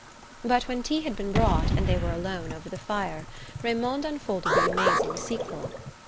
But when tea had been brought, and they were alone over the fire, Raymond unfolded the amazing sequel.